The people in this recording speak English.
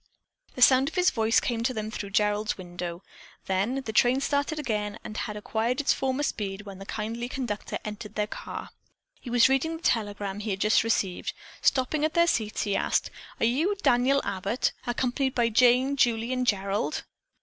The sound of his voice came to them through Gerald's window. Then the train started again and had acquired its former speed when the kindly conductor entered their car. He was reading the telegram he had just received. Stopping at their seats, he asked: "Are you Daniel Abbott, accompanied by Jane, Julie and Gerald?"